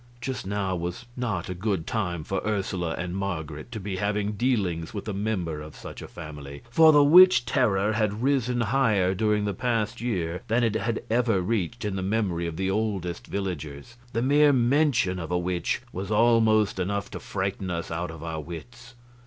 Just now was not a good time for Ursula and Marget to be having dealings with a member of such a family, for the witch terror had risen higher during the past year than it had ever reached in the memory of the oldest villagers. The mere mention of a witch was almost enough to frighten us out of our wits.